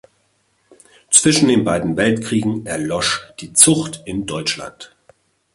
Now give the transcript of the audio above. Zwischen den beiden Weltkriegen erlosch die Zucht in Deutschland.